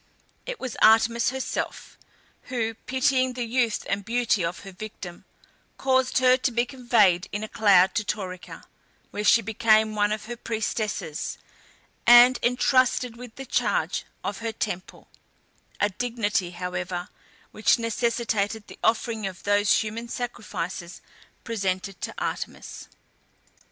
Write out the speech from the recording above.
It was Artemis herself, who, pitying the youth and beauty of her victim, caused her to be conveyed in a cloud to Taurica, where she became one of her priestesses, and intrusted with the charge of her temple; a dignity, however, which necessitated the offering of those human sacrifices presented to Artemis.